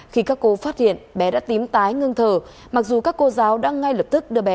khi các cô phát hiện bé đã tím tái ngưng thở mặc dù các cô giáo đã ngay lập tức đưa bé